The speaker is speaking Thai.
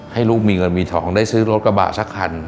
ให้ลูกมีเงินมีทองได้ซื้อรถกระบะสักคัน